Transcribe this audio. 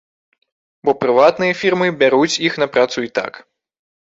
Бо прыватныя фірмы, бяруць іх на працу і так.